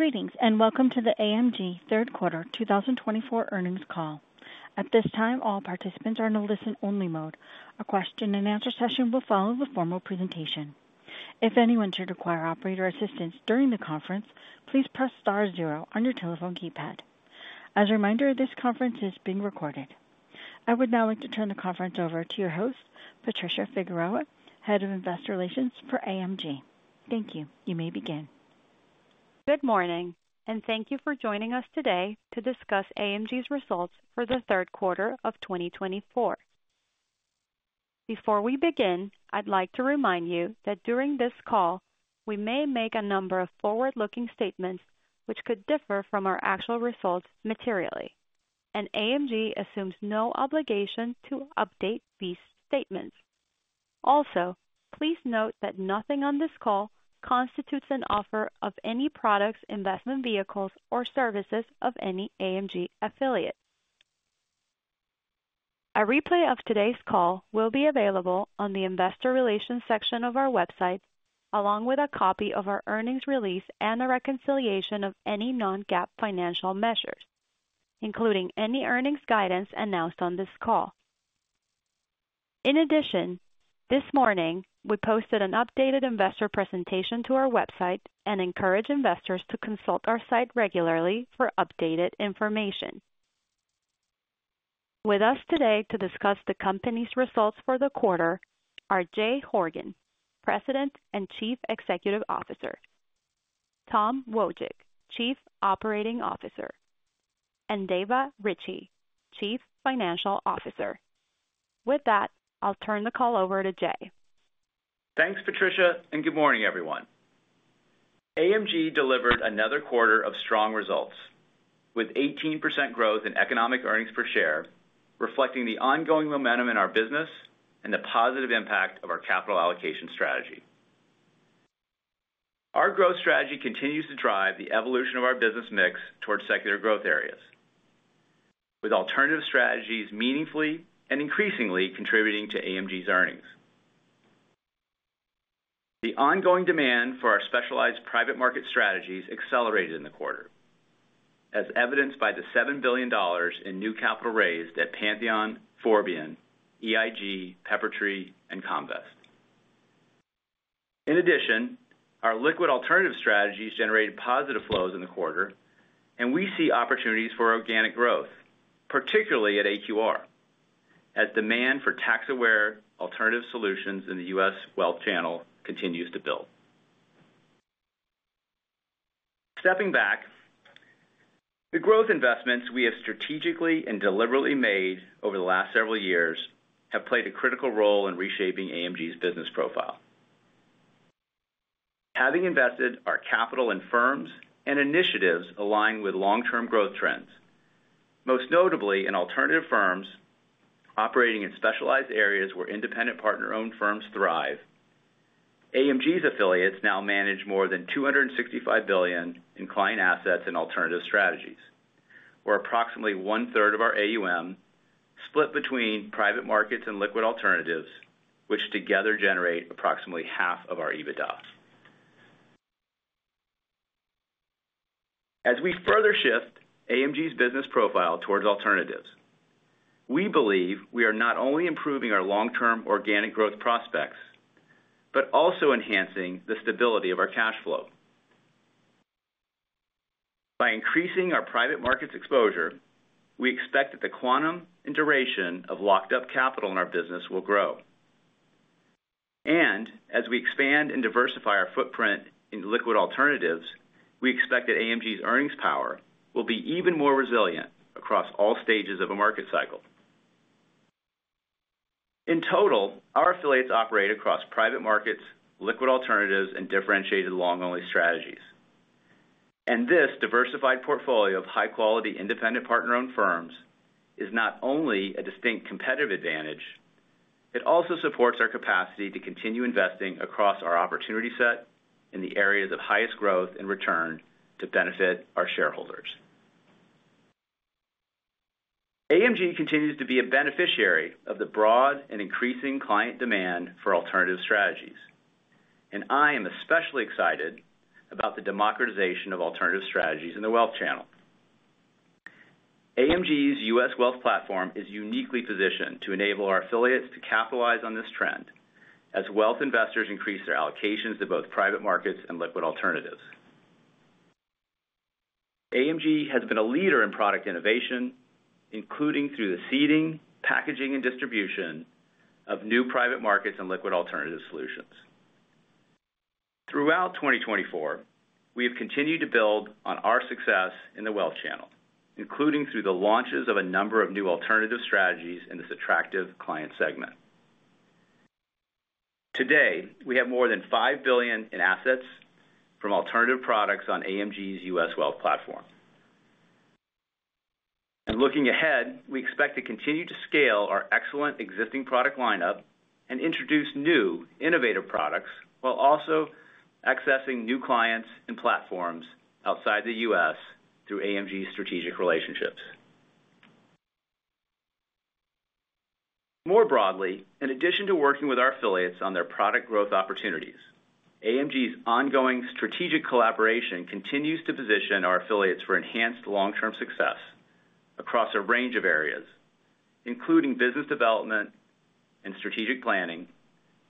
Greetings and welcome to the AMG Third Quarter 2024 Earnings Call. At this time, all participants are in a listen-only mode. A question-and-answer session will follow the formal presentation. If anyone should require operator assistance during the conference, please press star zero on your telephone keypad. As a reminder, this conference is being recorded. I would now like to turn the conference over to your host, Patricia Figueroa, Head of Investor Relations for AMG. Thank you. You may begin. Good morning, and thank you for joining us today to discuss AMG's results for the third quarter of 2024. Before we begin, I'd like to remind you that during this call, we may make a number of forward-looking statements which could differ from our actual results materially, and AMG assumes no obligation to update these statements. Also, please note that nothing on this call constitutes an offer of any products, investment vehicles, or services of any AMG Affiliate. A replay of today's call will be available on the investor relations section of our website, along with a copy of our earnings release and a reconciliation of any non-GAAP financial measures, including any earnings guidance announced on this call. In addition, this morning, we posted an updated investor presentation to our website and encourage investors to consult our site regularly for updated information. With us today to discuss the company's results for the quarter are Jay Horgen, President and Chief Executive Officer, Tom Wojcik, Chief Operating Officer, and Dava Ritchea, Chief Financial Officer. With that, I'll turn the call over to Jay. Thanks, Patricia, and good morning, everyone. AMG delivered another quarter of strong results, with 18% growth in economic earnings per share, reflecting the ongoing momentum in our business and the positive impact of our capital allocation strategy. Our growth strategy continues to drive the evolution of our business mix towards secular growth areas, with alternative strategies meaningfully and increasingly contributing to AMG's earnings. The ongoing demand for our specialized private market strategies accelerated in the quarter, as evidenced by the $7 billion in new capital raised at Pantheon, Forbion, EIG, Peppertree, and Comvest. In addition, our liquid alternative strategies generated positive flows in the quarter, and we see opportunities for organic growth, particularly at AQR, as demand for tax-aware alternative solutions in the U.S. wealth channel continues to build. Stepping back, the growth investments we have strategically and deliberately made over the last several years have played a critical role in reshaping AMG's business profile. Having invested our capital in firms and initiatives aligned with long-term growth trends, most notably in alternative firms operating in specialized areas where independent partner-owned firms thrive, AMG's Affiliates now manage more than $265 billion in client assets and alternative strategies, where approximately 1/3 of our AUM is split between private markets and liquid alternatives, which together generate approximately half of our EBITDA. As we further shift AMG's business profile towards alternatives, we believe we are not only improving our long-term organic growth prospects but also enhancing the stability of our cash flow. By increasing our private markets exposure, we expect that the quantum and duration of locked-up capital in our business will grow. As we expand and diversify our footprint in liquid alternatives, we expect that AMG's earnings power will be even more resilient across all stages of a market cycle. In total, our Affiliates operate across private markets, liquid alternatives, and differentiated long-only strategies. This diversified portfolio of high-quality independent partner-owned firms is not only a distinct competitive advantage. It also supports our capacity to continue investing across our opportunity set in the areas of highest growth and return to benefit our shareholders. AMG continues to be a beneficiary of the broad and increasing client demand for alternative strategies, and I am especially excited about the democratization of alternative strategies in the wealth channel. AMG's U.S. wealth platform is uniquely positioned to enable our Affiliates to capitalize on this trend as wealth investors increase their allocations to both private markets and liquid alternatives. AMG has been a leader in product innovation, including through the seeding, packaging, and distribution of new private markets and liquid alternative solutions. Throughout 2024, we have continued to build on our success in the wealth channel, including through the launches of a number of new alternative strategies in this attractive client segment. Today, we have more than $5 billion in assets from alternative products on AMG's U.S. wealth platform. And looking ahead, we expect to continue to scale our excellent existing product lineup and introduce new innovative products while also accessing new clients and platforms outside the U.S. through AMG's strategic relationships. More broadly, in addition to working with our Affiliates on their product growth opportunities, AMG's ongoing strategic collaboration continues to position our Affiliates for enhanced long-term success across a range of areas, including business development and strategic planning,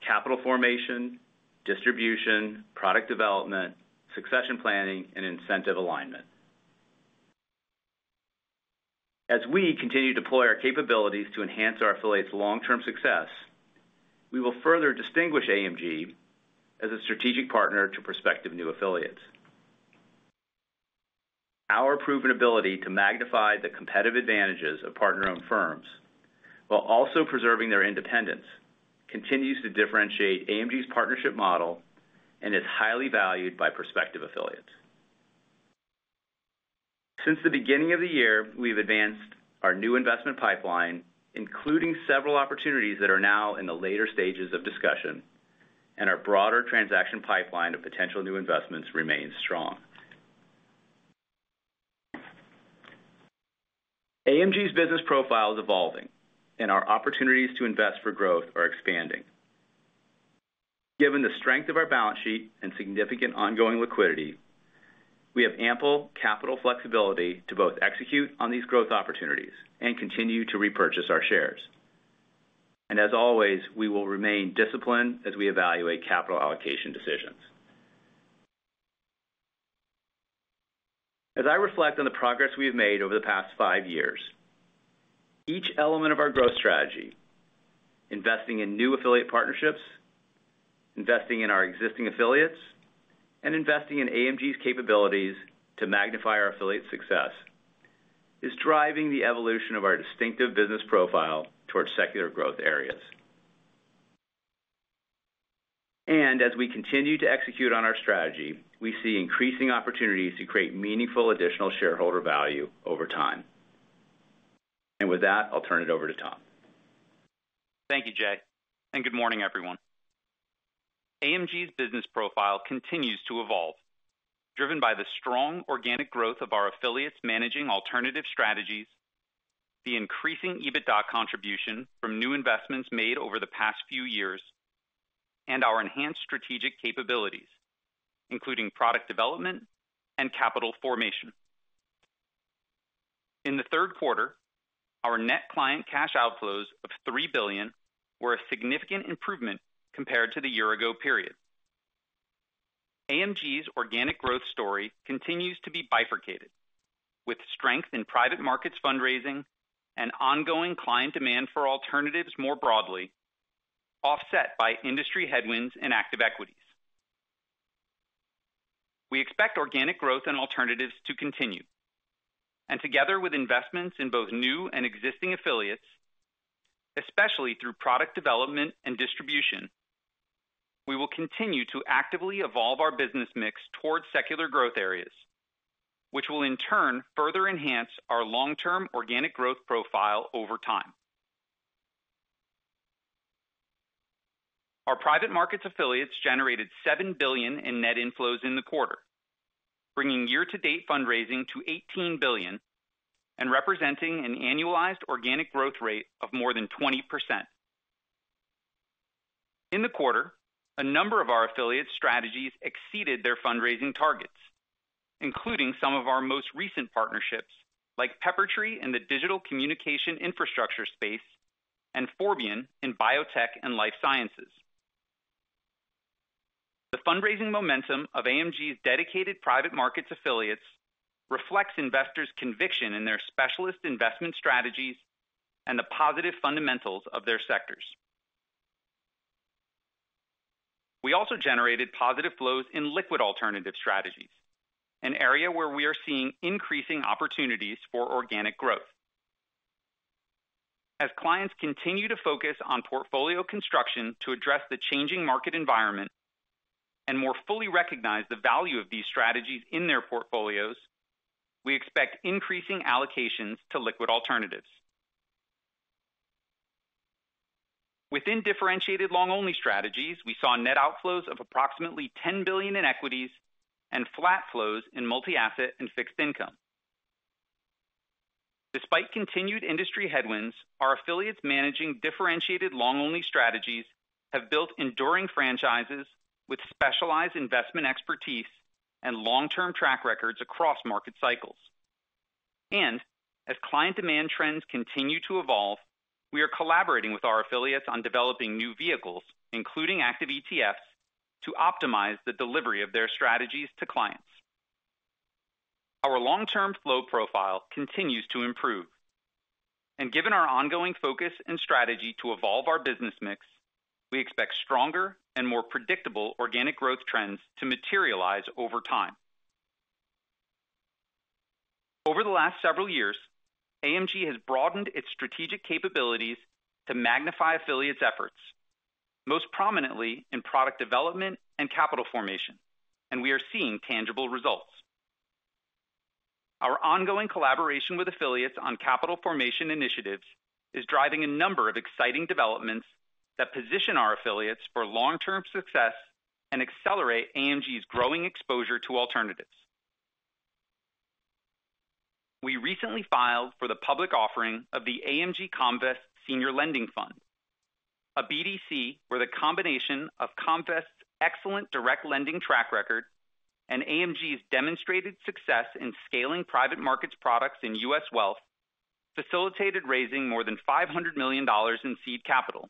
capital formation, distribution, product development, succession planning, and incentive alignment. As we continue to deploy our capabilities to enhance our Affiliates' long-term success, we will further distinguish AMG as a strategic partner to prospective new Affiliates. Our proven ability to magnify the competitive advantages of partner-owned firms while also preserving their independence continues to differentiate AMG's partnership model and is highly valued by prospective Affiliates. Since the beginning of the year, we've advanced our new investment pipeline, including several opportunities that are now in the later stages of discussion, and our broader transaction pipeline of potential new investments remains strong. AMG's business profile is evolving, and our opportunities to invest for growth are expanding. Given the strength of our balance sheet and significant ongoing liquidity, we have ample capital flexibility to both execute on these growth opportunities and continue to repurchase our shares. And as always, we will remain disciplined as we evaluate capital allocation decisions. As I reflect on the progress we have made over the past five years, each element of our growth strategy, investing in new Affiliate partnerships, investing in our existing Affiliates, and investing in AMG's capabilities to magnify our Affiliate success, is driving the evolution of our distinctive business profile towards secular growth areas. And as we continue to execute on our strategy, we see increasing opportunities to create meaningful additional shareholder value over time. And with that, I'll turn it over to Tom. Thank you, Jay, and good morning, everyone. AMG's business profile continues to evolve, driven by the strong organic growth of our Affiliates managing alternative strategies, the increasing EBITDA contribution from new investments made over the past few years, and our enhanced strategic capabilities, including product development and capital formation. In the third quarter, our net client cash outflows of $3 billion were a significant improvement compared to the year-ago period. AMG's organic growth story continues to be bifurcated, with strength in private markets fundraising and ongoing client demand for alternatives more broadly, offset by industry headwinds in active equities. We expect organic growth and alternatives to continue, and together with investments in both new and existing Affiliates, especially through product development and distribution, we will continue to actively evolve our business mix towards secular growth areas, which will in turn further enhance our long-term organic growth profile over time. Our private markets Affiliates generated $7 billion in net inflows in the quarter, bringing year-to-date fundraising to $18 billion and representing an annualized organic growth rate of more than 20%. In the quarter, a number of our Affiliates' strategies exceeded their fundraising targets, including some of our most recent partnerships like Peppertree in the digital communication infrastructure space and Forbion in biotech and life sciences. The fundraising momentum of AMG's dedicated private markets Affiliates reflects investors' conviction in their specialist investment strategies and the positive fundamentals of their sectors. We also generated positive flows in liquid alternative strategies, an area where we are seeing increasing opportunities for organic growth. As clients continue to focus on portfolio construction to address the changing market environment and more fully recognize the value of these strategies in their portfolios, we expect increasing allocations to liquid alternatives. Within differentiated long-only strategies, we saw net outflows of approximately $10 billion in equities and flat flows in multi-asset and fixed income. Despite continued industry headwinds, our Affiliates managing differentiated long-only strategies have built enduring franchises with specialized investment expertise and long-term track records across market cycles. And as client demand trends continue to evolve, we are collaborating with our Affiliates on developing new vehicles, including active ETFs, to optimize the delivery of their strategies to clients. Our long-term flow profile continues to improve. And given our ongoing focus and strategy to evolve our business mix, we expect stronger and more predictable organic growth trends to materialize over time. Over the last several years, AMG has broadened its strategic capabilities to magnify Affiliates' efforts, most prominently in product development and capital formation, and we are seeing tangible results. Our ongoing collaboration with Affiliates on capital formation initiatives is driving a number of exciting developments that position our Affiliates for long-term success and accelerate AMG's growing exposure to alternatives. We recently filed for the public offering of the AMG Comvest Senior Lending Fund, a BDC where the combination of Comvest's excellent direct lending track record and AMG's demonstrated success in scaling private markets products in U.S. wealth facilitated raising more than $500 million in seed capital,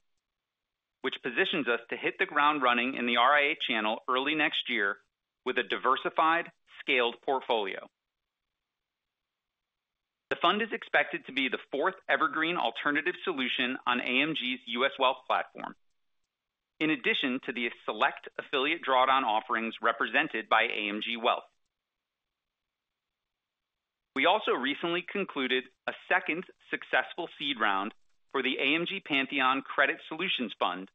which positions us to hit the ground running in the RIA channel early next year with a diversified, scaled portfolio. The fund is expected to be the fourth evergreen alternative solution on AMG's U.S. wealth platform, in addition to the select Affiliate drawdown offerings represented by AMG Wealth. We also recently concluded a second successful seed round for the AMG Pantheon Credit Solutions Fund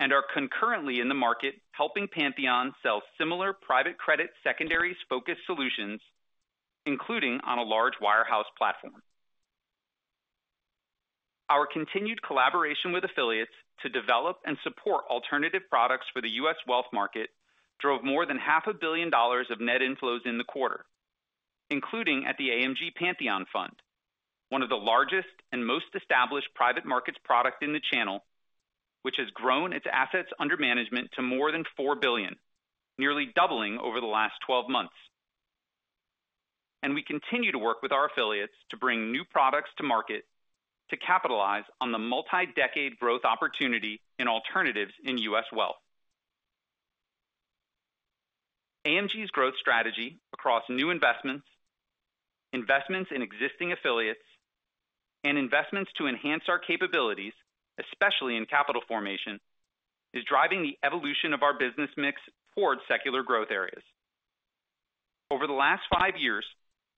and are concurrently in the market helping Pantheon sell similar private credit secondaries-focused solutions, including on a large wirehouse platform. Our continued collaboration with Affiliates to develop and support alternative products for the U.S. wealth market drove more than $500 million of net inflows in the quarter, including at the AMG Pantheon Fund, one of the largest and most established private markets products in the channel, which has grown its assets under management to more than $4 billion, nearly doubling over the last 12 months, and we continue to work with our Affiliates to bring new products to market to capitalize on the multi-decade growth opportunity in alternatives in U.S. wealth. AMG's growth strategy across new investments, investments in existing Affiliates, and investments to enhance our capabilities, especially in capital formation, is driving the evolution of our business mix towards secular growth areas. Over the last five years,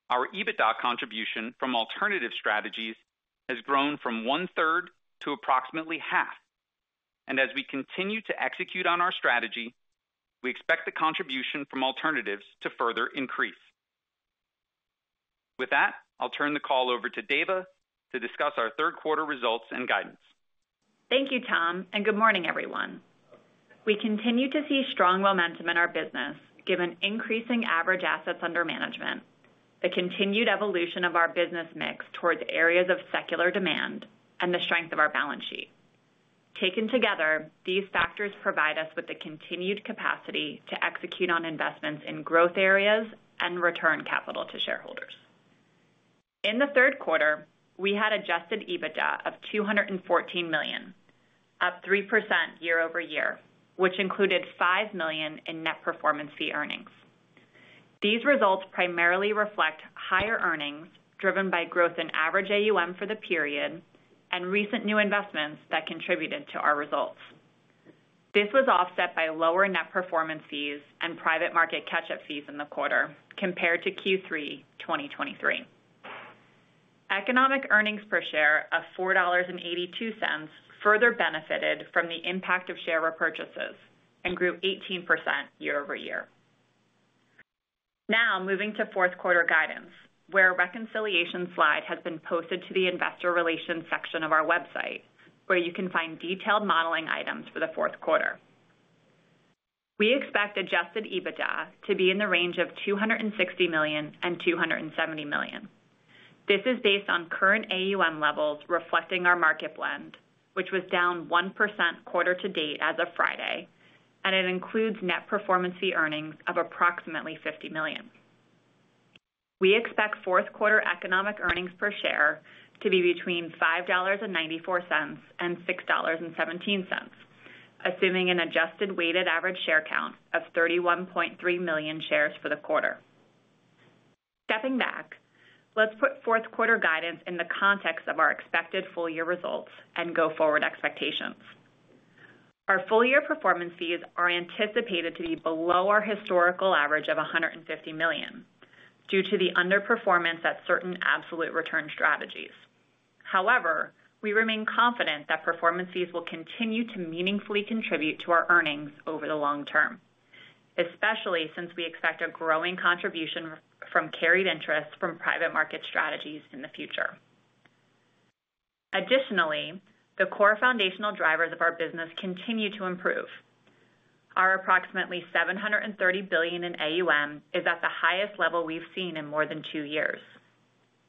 our EBITDA contribution from alternative strategies has grown from one-third to approximately half. As we continue to execute on our strategy, we expect the contribution from alternatives to further increase. With that, I'll turn the call over to Dava to discuss our third quarter results and guidance. Thank you, Tom. And good morning, everyone. We continue to see strong momentum in our business given increasing average assets under management, the continued evolution of our business mix towards areas of secular demand, and the strength of our balance sheet. Taken together, these factors provide us with the continued capacity to execute on investments in growth areas and return capital to shareholders. In the third quarter, we had adjusted EBITDA of $214 million, up 3% year-over-year, which included $5 million in net performance fee earnings. These results primarily reflect higher earnings driven by growth in average AUM for the period and recent new investments that contributed to our results. This was offset by lower net performance fees and private market catch-up fees in the quarter compared to Q3 2023. Economic earnings per share of $4.82 further benefited from the impact of share repurchases and grew 18% year-over-year. Now, moving to fourth quarter guidance, where a reconciliation slide has been posted to the investor relations section of our website, where you can find detailed modeling items for the fourth quarter. We expect adjusted EBITDA to be in the range of $260 million-$270 million. This is based on current AUM levels reflecting our market blend, which was down 1% quarter-to-date as of Friday, and it includes net performance fee earnings of approximately $50 million. We expect fourth quarter economic earnings per share to be between $5.94 and $6.17, assuming an adjusted weighted average share count of 31.3 million shares for the quarter. Stepping back, let's put fourth quarter guidance in the context of our expected full-year results and go forward expectations. Our full-year performance fees are anticipated to be below our historical average of $150 million due to the underperformance at certain absolute return strategies. However, we remain confident that performance fees will continue to meaningfully contribute to our earnings over the long term, especially since we expect a growing contribution from carried interest from private market strategies in the future. Additionally, the core foundational drivers of our business continue to improve. Our approximately $730 billion in AUM is at the highest level we've seen in more than two years.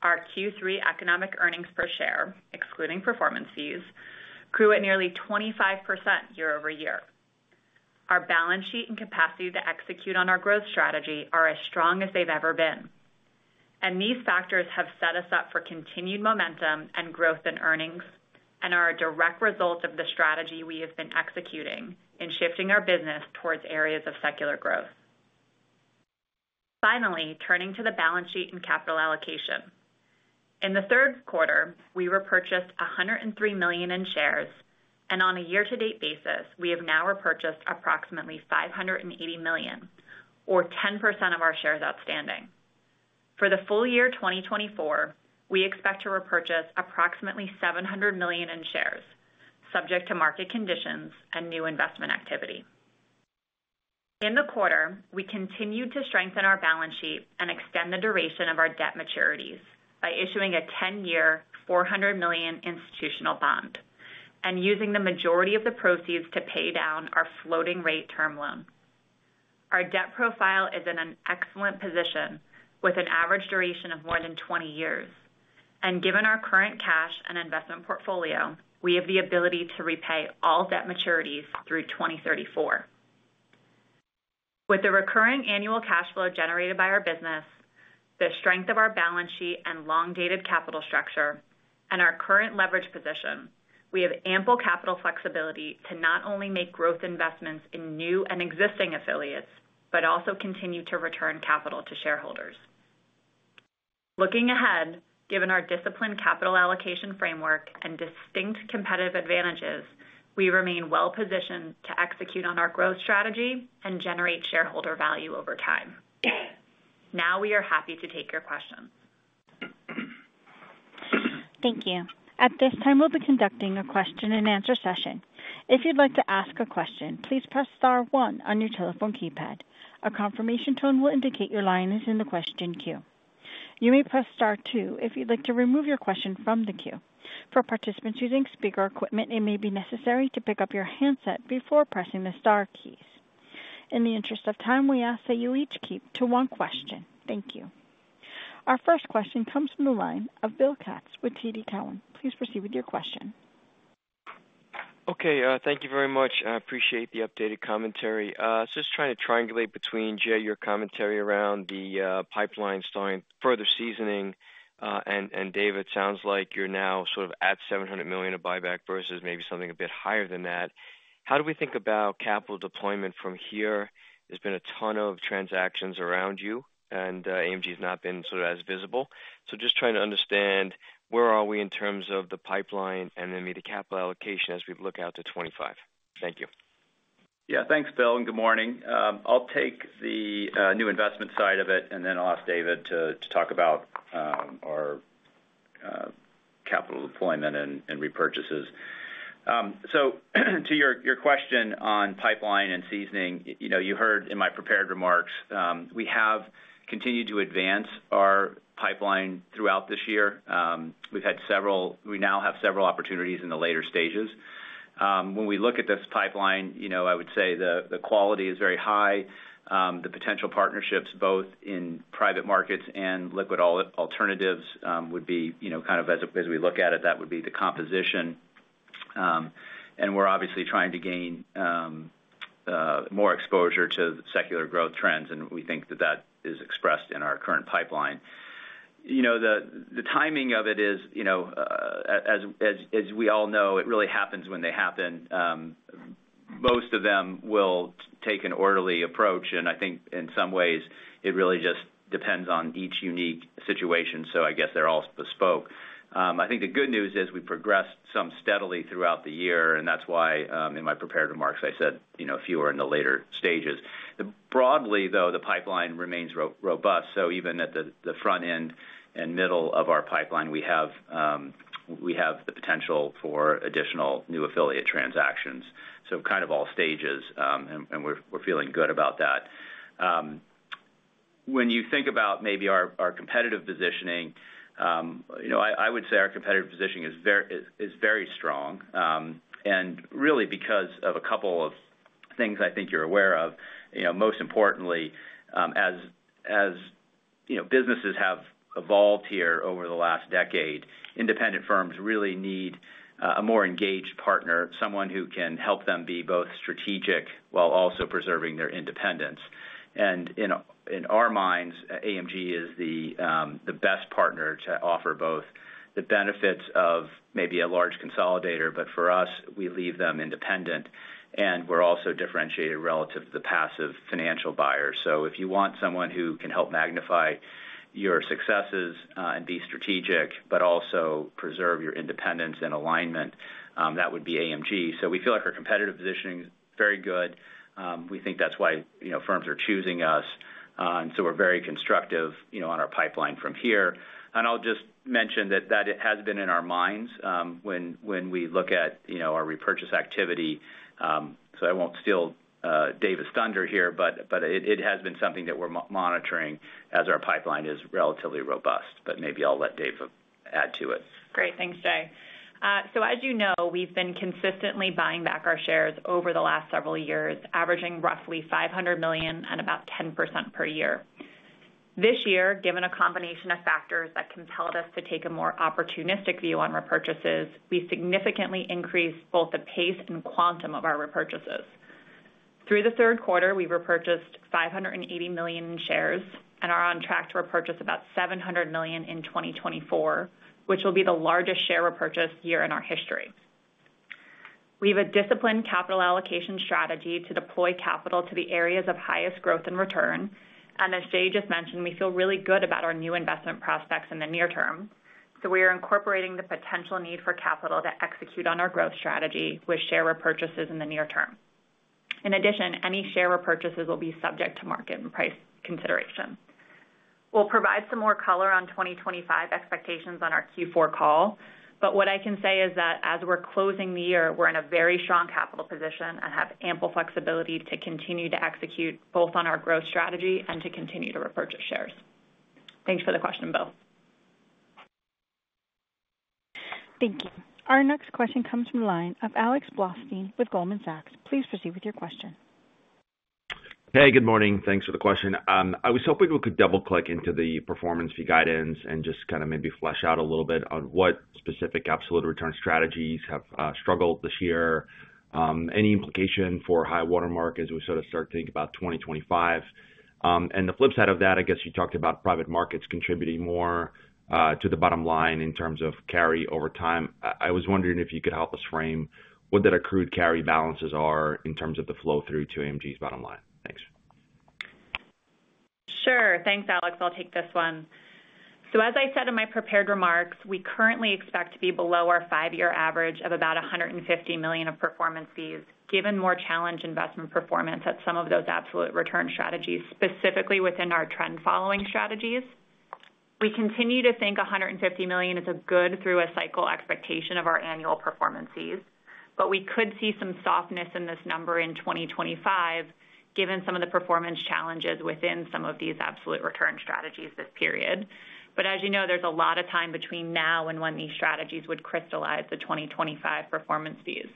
Our Q3 economic earnings per share, excluding performance fees, grew at nearly 25% year-over-year. Our balance sheet and capacity to execute on our growth strategy are as strong as they've ever been. And these factors have set us up for continued momentum and growth in earnings and are a direct result of the strategy we have been executing in shifting our business towards areas of secular growth. Finally, turning to the balance sheet and capital allocation. In the third quarter, we repurchased $103 million in shares, and on a year-to-date basis, we have now repurchased approximately $580 million, or 10% of our shares outstanding. For the full year 2024, we expect to repurchase approximately $700 million in shares, subject to market conditions and new investment activity. In the quarter, we continued to strengthen our balance sheet and extend the duration of our debt maturities by issuing a 10-year $400 million institutional bond and using the majority of the proceeds to pay down our floating-rate term loan. Our debt profile is in an excellent position with an average duration of more than 20 years, and given our current cash and investment portfolio, we have the ability to repay all debt maturities through 2034. With the recurring annual cash flow generated by our business, the strength of our balance sheet and long-dated capital structure, and our current leverage position, we have ample capital flexibility to not only make growth investments in new and existing Affiliates, but also continue to return capital to shareholders. Looking ahead, given our disciplined capital allocation framework and distinct competitive advantages, we remain well-positioned to execute on our growth strategy and generate shareholder value over time. Now we are happy to take your questions. Thank you. At this time, we'll be conducting a question-and-answer session. If you'd like to ask a question, please press star one on your telephone keypad. A confirmation tone will indicate your line is in the question queue. You may press star two if you'd like to remove your question from the queue. For participants using speaker equipment, it may be necessary to pick up your handset before pressing the star keys. In the interest of time, we ask that you each keep to one question. Thank you. Our first question comes from the line of Bill Katz with TD Cowen. Please proceed with your question. Okay. Thank you very much. I appreciate the updated commentary. Just trying to triangulate between, Jay, your commentary around the pipeline starting further seasoning. And, Dava, it sounds like you're now sort of at $700 million of buyback versus maybe something a bit higher than that. How do we think about capital deployment from here? There's been a ton of transactions around you, and AMG has not been sort of as visible. So just trying to understand where are we in terms of the pipeline and then maybe the capital allocation as we look out to 2025. Thank you. Yeah. Thanks, Bill, and good morning. I'll take the new investment side of it, and then I'll ask Dava to talk about our capital deployment and repurchases, so to your question on pipeline and seasoning, you heard in my prepared remarks, we have continued to advance our pipeline throughout this year. We've had several—we now have several opportunities in the later stages. When we look at this pipeline, I would say the quality is very high. The potential partnerships, both in private markets and liquid alternatives, would be kind of, as we look at it, that would be the composition. And we're obviously trying to gain more exposure to secular growth trends, and we think that that is expressed in our current pipeline. The timing of it is, as we all know, it really happens when they happen. Most of them will take an orderly approach. I think, in some ways, it really just depends on each unique situation. So I guess they're all bespoke. I think the good news is we progressed some steadily throughout the year, and that's why, in my prepared remarks, I said fewer in the later stages. Broadly, though, the pipeline remains robust. So even at the front end and middle of our pipeline, we have the potential for additional new Affiliate transactions. So kind of all stages, and we're feeling good about that. When you think about maybe our competitive positioning, I would say our competitive positioning is very strong. And really, because of a couple of things I think you're aware of, most importantly, as businesses have evolved here over the last decade, independent firms really need a more engaged partner, someone who can help them be both strategic while also preserving their independence. And in our minds, AMG is the best partner to offer both the benefits of maybe a large consolidator, but for us, we leave them independent. And we're also differentiated relative to the passive financial buyers. So if you want someone who can help magnify your successes and be strategic, but also preserve your independence and alignment, that would be AMG. So we feel like our competitive positioning is very good. We think that's why firms are choosing us. And so we're very constructive on our pipeline from here. And I'll just mention that that has been in our minds when we look at our repurchase activity. So I won't steal Dava's thunder here, but it has been something that we're monitoring as our pipeline is relatively robust. But maybe I'll let Dava add to it. Great. Thanks, Jay. So as you know, we've been consistently buying back our shares over the last several years, averaging roughly $500 million and about 10% per year. This year, given a combination of factors that compelled us to take a more opportunistic view on repurchases, we significantly increased both the pace and quantum of our repurchases. Through the third quarter, we repurchased $580 million in shares and are on track to repurchase about $700 million in 2024, which will be the largest share repurchase year in our history. We have a disciplined capital allocation strategy to deploy capital to the areas of highest growth and return. And as Jay just mentioned, we feel really good about our new investment prospects in the near term. So we are incorporating the potential need for capital to execute on our growth strategy with share repurchases in the near term. In addition, any share repurchases will be subject to market and price consideration. We'll provide some more color on 2025 expectations on our Q4 call. But what I can say is that as we're closing the year, we're in a very strong capital position and have ample flexibility to continue to execute both on our growth strategy and to continue to repurchase shares. Thanks for the question, Bill. Thank you. Our next question comes from the line of Alex Blostein with Goldman Sachs. Please proceed with your question. Hey, good morning. Thanks for the question. I was hoping we could double-click into the performance fee guidance and just kind of maybe flesh out a little bit on what specific absolute return strategies have struggled this year, any implication for high-water mark as we sort of start to think about 2025, and the flip side of that, I guess you talked about private markets contributing more to the bottom line in terms of carry over time. I was wondering if you could help us frame what that accrued carry balances are in terms of the flow through to AMG's bottom line. Thanks. Sure. Thanks, Alex. I'll take this one. So as I said in my prepared remarks, we currently expect to be below our five-year average of about $150 million of performance fees, given more challenged investment performance at some of those absolute return strategies, specifically within our trend-following strategies. We continue to think $150 million is a good through-a-cycle expectation of our annual performance fees. But we could see some softness in this number in 2025, given some of the performance challenges within some of these absolute return strategies this period. But as you know, there's a lot of time between now and when these strategies would crystallize the 2025 performance fees.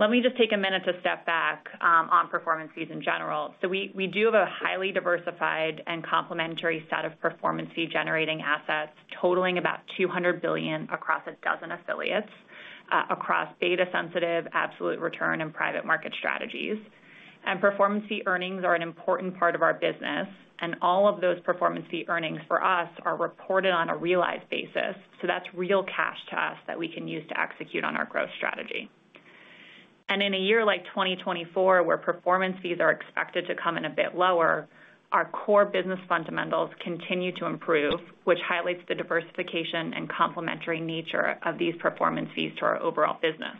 Let me just take a minute to step back on performance fees in general. So we do have a highly diversified and complementary set of performance fee-generating assets totaling about $200 billion across a dozen Affiliates across data-sensitive, absolute return, and private market strategies. And performance fee earnings are an important part of our business. And all of those performance fee earnings for us are reported on a realized basis. So that's real cash to us that we can use to execute on our growth strategy. And in a year like 2024, where performance fees are expected to come in a bit lower, our core business fundamentals continue to improve, which highlights the diversification and complementary nature of these performance fees to our overall business.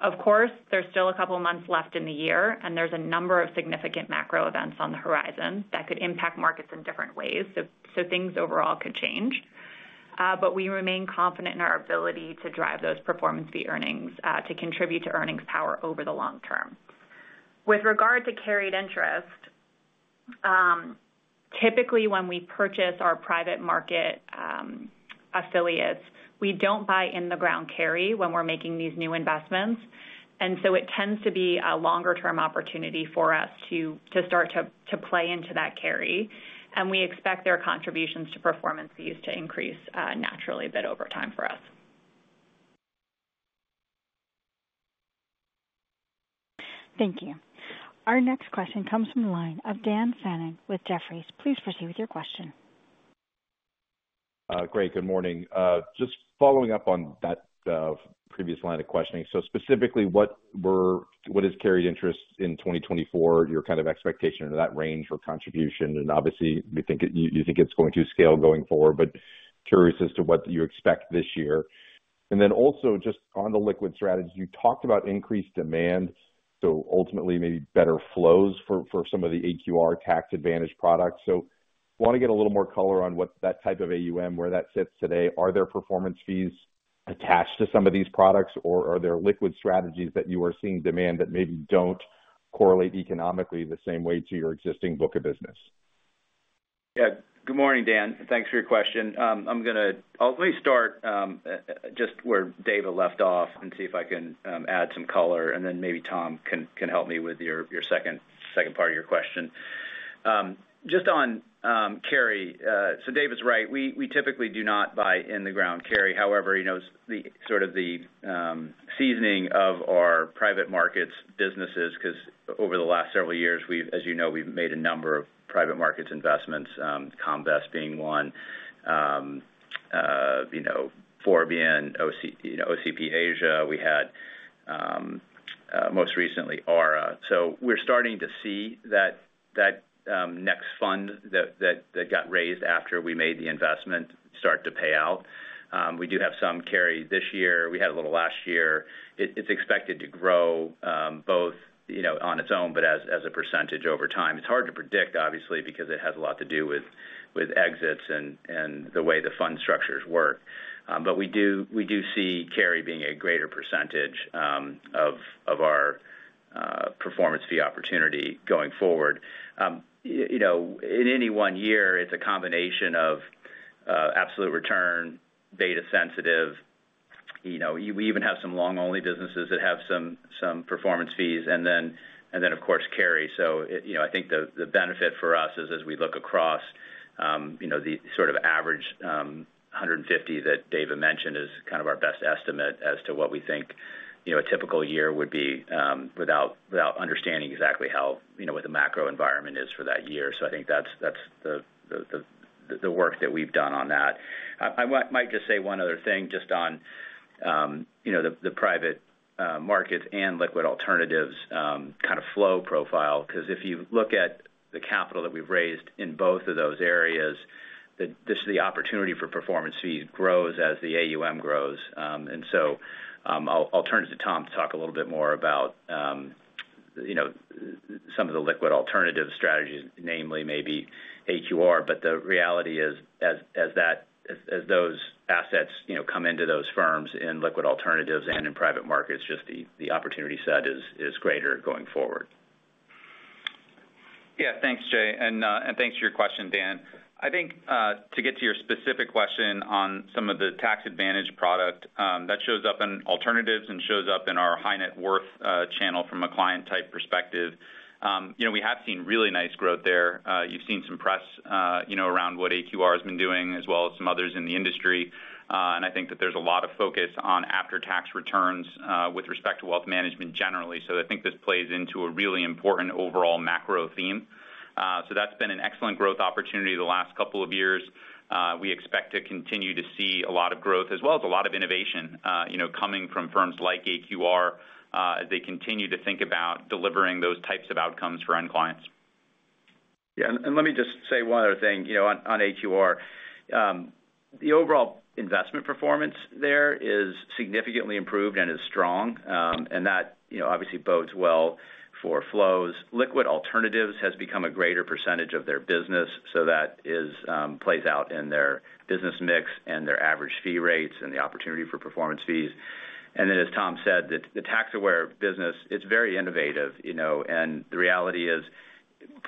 Of course, there's still a couple of months left in the year, and there's a number of significant macro events on the horizon that could impact markets in different ways. So things overall could change. But we remain confident in our ability to drive those performance fee earnings to contribute to earnings power over the long term. With regard to carried interest, typically when we purchase our private market Affiliates, we don't buy in-the-ground carry when we're making these new investments. And so it tends to be a longer-term opportunity for us to start to play into that carry. And we expect their contributions to performance fees to increase naturally a bit over time for us. Thank you. Our next question comes from the line of Dan Fannon with Jefferies. Please proceed with your question. Great. Good morning. Just following up on that previous line of questioning, so specifically, what is carried interest in 2024, your kind of expectation of that range for contribution? And obviously, you think it's going to scale going forward, but curious as to what you expect this year. And then also, just on the liquid strategies, you talked about increased demand, so ultimately maybe better flows for some of the AQR tax-advantaged products. So I want to get a little more color on what that type of AUM, where that sits today. Are there performance fees attached to some of these products, or are there liquid strategies that you are seeing demand that maybe don't correlate economically the same way to your existing book of business? Yeah. Good morning, Dan. Thanks for your question. I'm going to. I'll at least start just where Dava left off and see if I can add some color, and then maybe Tom can help me with your second part of your question. Just on carry, so Dava is right. We typically do not buy in-the-ground carry. However, sort of the seasoning of our private markets businesses, because over the last several years, as you know, we've made a number of private markets investments, Comvest being one, Forbion, OCP Asia, we had most recently Ara. So we're starting to see that next fund that got raised after we made the investment start to pay out. We do have some carry this year. We had a little last year. It's expected to grow both on its own but as a percentage over time. It's hard to predict, obviously, because it has a lot to do with exits and the way the fund structures work. But we do see carry being a greater percentage of our performance fee opportunity going forward. In any one year, it's a combination of absolute return, data-sensitive. We even have some long-only businesses that have some performance fees, and then, of course, carry. So I think the benefit for us is, as we look across the sort of average $150 milion that Dava mentioned is kind of our best estimate as to what we think a typical year would be without understanding exactly what the macro environment is for that year. So I think that's the work that we've done on that. I might just say one other thing just on the private markets and liquid alternatives kind of flow profile, because if you look at the capital that we've raised in both of those areas, the opportunity for performance fees grows as the AUM grows. And so I'll turn to Tom to talk a little bit more about some of the liquid alternative strategies, namely maybe AQR. But the reality is, as those assets come into those firms in liquid alternatives and in private markets, just the opportunity set is greater going forward. Yeah. Thanks, Jay. And thanks for your question, Dan. I think to get to your specific question on some of the tax-advantaged product, that shows up in alternatives and shows up in our high-net-worth channel from a client-type perspective. We have seen really nice growth there. You've seen some press around what AQR has been doing, as well as some others in the industry. And I think that there's a lot of focus on after-tax returns with respect to wealth management generally. So I think this plays into a really important overall macro theme. So that's been an excellent growth opportunity the last couple of years. We expect to continue to see a lot of growth, as well as a lot of innovation coming from firms like AQR as they continue to think about delivering those types of outcomes for end clients. Yeah. And let me just say one other thing on AQR. The overall investment performance there is significantly improved and is strong. And that obviously bodes well for flows. Liquid alternatives has become a greater percentage of their business. So that plays out in their business mix and their average fee rates and the opportunity for performance fees. And then, as Tom said, the tax-aware business, it's very innovative. And the reality is,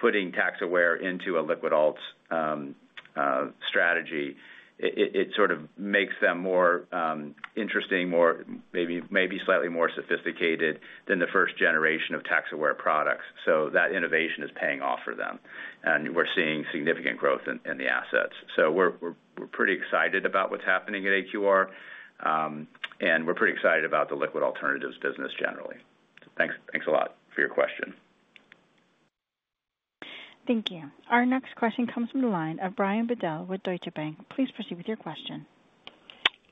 putting tax-aware into a liquid alts strategy, it sort of makes them more interesting, maybe slightly more sophisticated than the first generation of tax-aware products. So that innovation is paying off for them. And we're seeing significant growth in the assets. So we're pretty excited about what's happening at AQR. And we're pretty excited about the liquid alternatives business generally. Thanks a lot for your question. Thank you. Our next question comes from the line of Brian Bedell with Deutsche Bank. Please proceed with your question.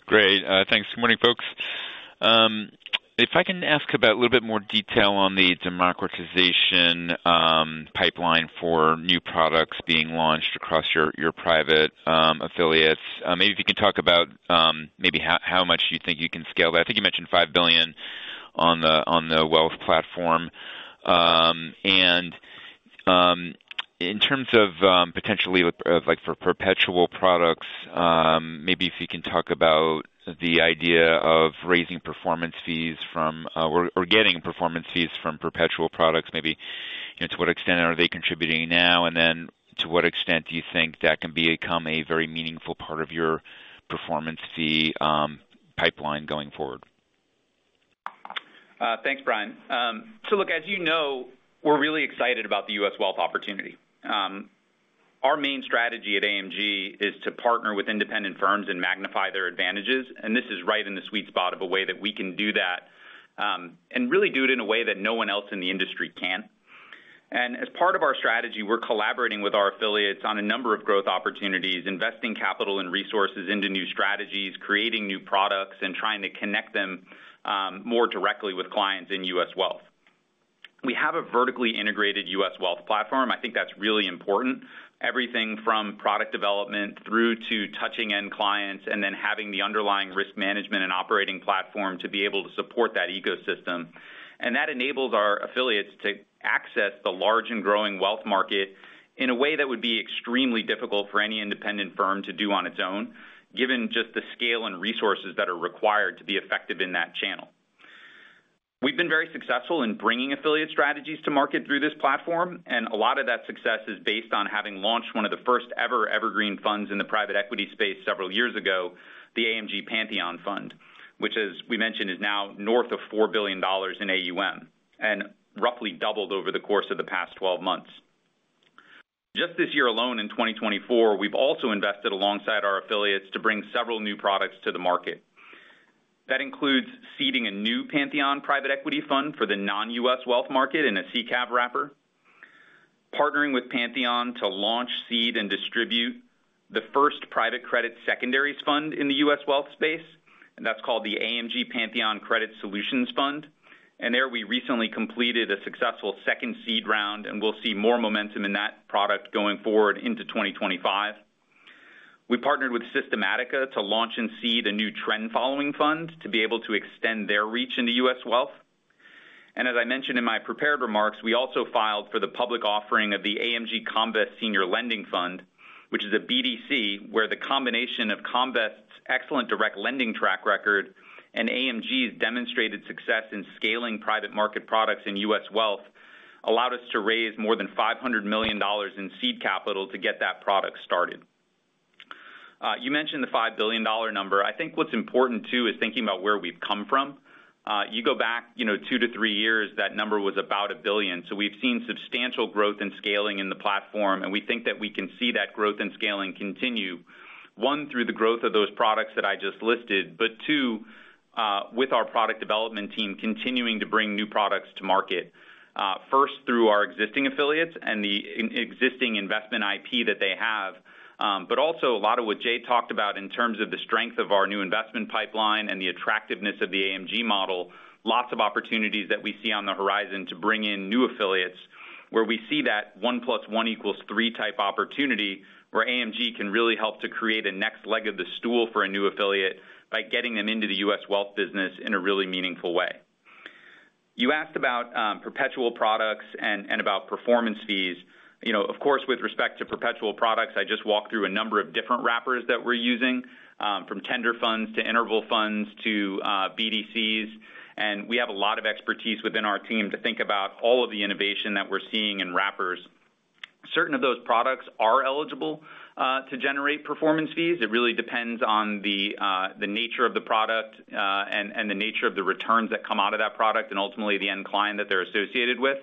Great. Thanks. Good morning, folks. If I can ask about a little bit more detail on the democratization pipeline for new products being launched across your private Affiliates, maybe if you can talk about maybe how much you think you can scale that. I think you mentioned $5 billion on the wealth platform. And in terms of potentially for perpetual products, maybe if you can talk about the idea of raising performance fees from or getting performance fees from perpetual products, maybe to what extent are they contributing now? And then to what extent do you think that can become a very meaningful part of your performance fee pipeline going forward? Thanks, Brian. So look, as you know, we're really excited about the U.S. wealth opportunity. Our main strategy at AMG is to partner with independent firms and magnify their advantages. And this is right in the sweet spot of a way that we can do that and really do it in a way that no one else in the industry can. And as part of our strategy, we're collaborating with our Affiliates on a number of growth opportunities, investing capital and resources into new strategies, creating new products, and trying to connect them more directly with clients in U.S. wealth. We have a vertically integrated U.S. wealth platform. I think that's really important. Everything from product development through to touching end clients and then having the underlying risk management and operating platform to be able to support that ecosystem. That enables our Affiliates to access the large and growing wealth market in a way that would be extremely difficult for any independent firm to do on its own, given just the scale and resources that are required to be effective in that channel. We've been very successful in bringing Affiliate strategies to market through this platform. A lot of that success is based on having launched one of the first ever evergreen funds in the private equity space several years ago, the AMG Pantheon Fund, which, as we mentioned, is now north of $4 billion in AUM and roughly doubled over the course of the past 12 months. Just this year alone in 2024, we've also invested alongside our Affiliates to bring several new products to the market. That includes seeding a new Pantheon private equity fund for the non-U.S. wealth market in a SICAV wrapper, partnering with Pantheon to launch, seed, and distribute the first private credit secondaries fund in the U.S. wealth space, and that's called the AMG Pantheon Credit Solutions Fund, and there, we recently completed a successful second seed round, and we'll see more momentum in that product going forward into 2025. We partnered with Systematica to launch and seed a new trend-following fund to be able to extend their reach into U.S. wealth. As I mentioned in my prepared remarks, we also filed for the public offering of the AMG Comvest Senior Lending Fund, which is a BDC where the combination of Comvest's excellent direct lending track record and AMG's demonstrated success in scaling private market products in U.S. wealth allowed us to raise more than $500 million in seed capital to get that product started. You mentioned the $5 billion number. I think what's important too is thinking about where we've come from. You go back two to three years, that number was about a billion. We've seen substantial growth and scaling in the platform. We think that we can see that growth and scaling continue, one, through the growth of those products that I just listed, but two, with our product development team continuing to bring new products to market, first through our existing Affiliates and the existing investment IP that they have, but also a lot of what Jay talked about in terms of the strength of our new investment pipeline and the attractiveness of the AMG model, lots of opportunities that we see on the horizon to bring in new Affiliates where we see that one plus one equals three type opportunity where AMG can really help to create a next leg of the stool for a new Affiliate by getting them into the U.S wealth business in a really meaningful way. You asked about perpetual products and about performance fees. Of course, with respect to perpetual products, I just walked through a number of different wrappers that we're using, from tender funds to interval funds to BDCs, and we have a lot of expertise within our team to think about all of the innovation that we're seeing in wrappers. Certain of those products are eligible to generate performance fees. It really depends on the nature of the product and the nature of the returns that come out of that product and ultimately the end client that they're associated with,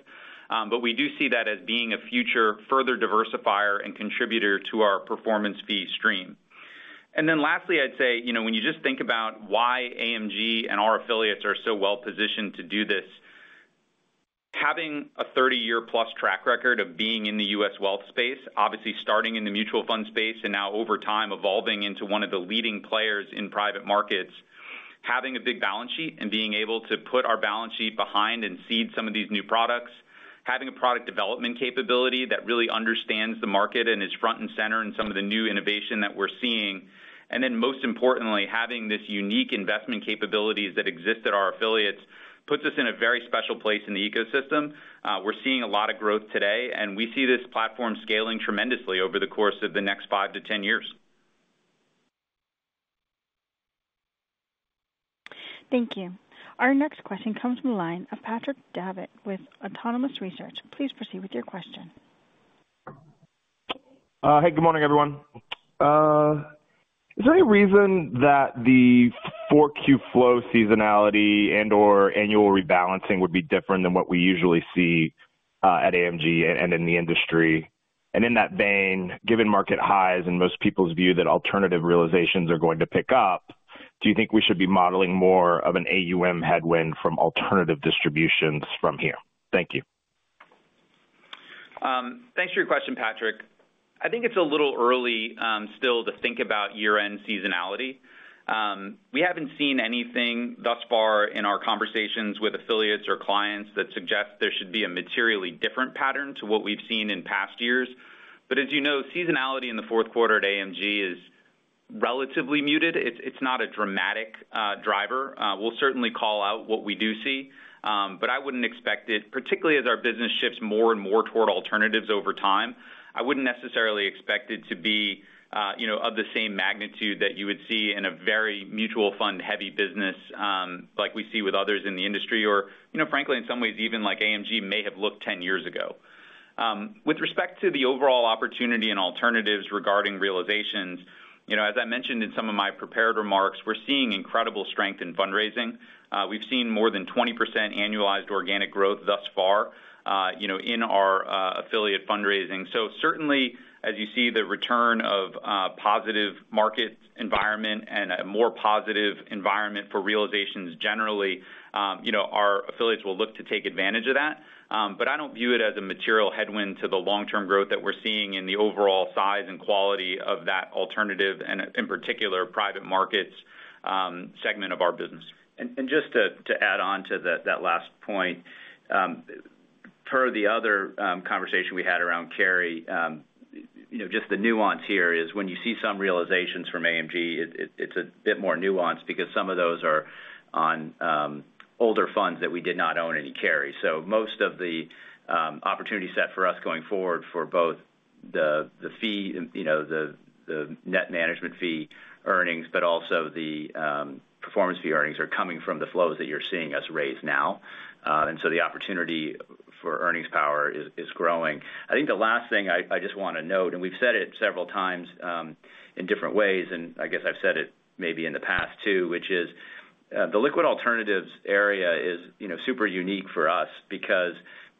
but we do see that as being a future further diversifier and contributor to our performance fee stream. And then lastly, I'd say, when you just think about why AMG and our Affiliates are so well positioned to do this, having a 30-year-plus track record of being in the U.S. wealth space, obviously starting in the mutual fund space and now over time evolving into one of the leading players in private markets, having a big balance sheet and being able to put our balance sheet behind and seed some of these new products, having a product development capability that really understands the market and is front and center in some of the new innovation that we're seeing. And then most importantly, having this unique investment capabilities that exist at our Affiliates puts us in a very special place in the ecosystem. We're seeing a lot of growth today, and we see this platform scaling tremendously over the course of the next five to 10 years. Thank you. Our next question comes from the line of Patrick Davitt with Autonomous Research. Please proceed with your question. Hey, good morning, everyone. Is there any reason that the 4Q flow seasonality and/or annual rebalancing would be different than what we usually see at AMG and in the industry? And in that vein, given market highs and most people's view that alternative realizations are going to pick up, do you think we should be modeling more of an AUM headwind from alternative distributions from here? Thank you. Thanks for your question, Patrick. I think it's a little early still to think about year-end seasonality. We haven't seen anything thus far in our conversations with Affiliates or clients that suggests there should be a materially different pattern to what we've seen in past years. But as you know, seasonality in the fourth quarter at AMG is relatively muted. It's not a dramatic driver. We'll certainly call out what we do see. But I wouldn't expect it, particularly as our business shifts more and more toward alternatives over time. I wouldn't necessarily expect it to be of the same magnitude that you would see in a very mutual fund-heavy business like we see with others in the industry or, frankly, in some ways, even like AMG may have looked 10 years ago. With respect to the overall opportunity and alternatives regarding realizations, as I mentioned in some of my prepared remarks, we're seeing incredible strength in fundraising. We've seen more than 20% annualized organic growth thus far in our Affiliate fundraising. So certainly, as you see the return of a positive market environment and a more positive environment for realizations generally, our Affiliates will look to take advantage of that. But I don't view it as a material headwind to the long-term growth that we're seeing in the overall size and quality of that alternative and, in particular, private markets segment of our business. And just to add on to that last point, per the other conversation we had around carry, just the nuance here is when you see some realizations from AMG. It's a bit more nuanced because some of those are on older funds that we did not own any carry. So most of the opportunity set for us going forward for both the fee, the net management fee earnings, but also the performance fee earnings are coming from the flows that you're seeing us raise now. And so the opportunity for earnings power is growing. I think the last thing I just want to note, and we've said it several times in different ways, and I guess I've said it maybe in the past too, which is the liquid alternatives area is super unique for us because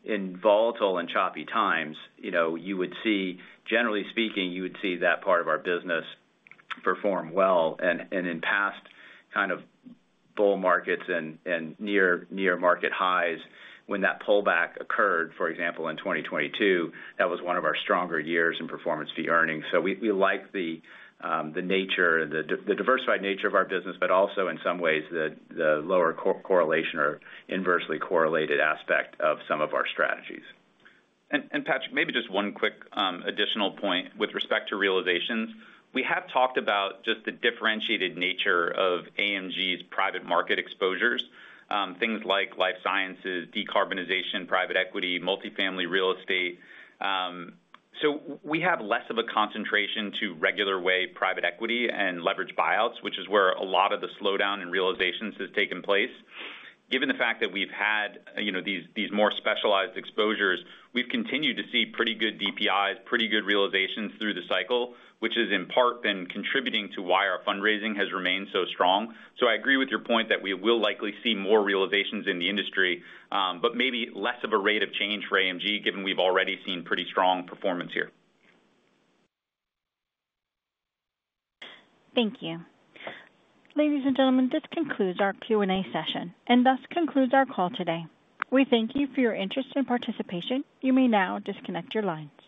in volatile and choppy times, you would see, generally speaking, you would see that part of our business perform well, and in past kind of bull markets and near market highs, when that pullback occurred, for example, in 2022, that was one of our stronger years in performance fee earnings, so we like the nature, the diversified nature of our business, but also in some ways the lower correlation or inversely correlated aspect of some of our strategies. Patrick, maybe just one quick additional point with respect to realizations. We have talked about just the differentiated nature of AMG's private market exposures, things like life sciences, decarbonization, private equity, multifamily real estate. We have less of a concentration to regular way private equity and leveraged buyouts, which is where a lot of the slowdown in realizations has taken place. Given the fact that we've had these more specialized exposures, we've continued to see pretty good DPIs, pretty good realizations through the cycle, which is in part been contributing to why our fundraising has remained so strong. I agree with your point that we will likely see more realizations in the industry, but maybe less of a rate of change for AMG, given we've already seen pretty strong performance here. Thank you. Ladies and gentlemen, this concludes our Q&A session and thus concludes our call today. We thank you for your interest and participation. You may now disconnect your lines.